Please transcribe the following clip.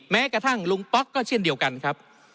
แม้กระทั่งลุงป๊อกก็เช่นเดียวกันครับ